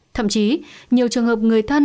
thậm chí nhiều trường hợp người thân